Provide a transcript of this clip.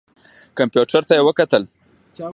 کمپیوټر ته یې وکتل.